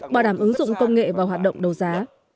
bảo đảm ứng dụng công nghệ vào hoạt động đấu giá